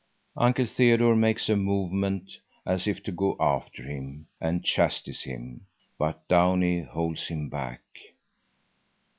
Uncle Theodore makes a movement as if to go after him and chastise him, but Downie holds him back.